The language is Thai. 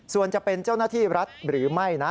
ส่วนจะเป็นเจ้าหน้าที่รัฐหรือไม่นะ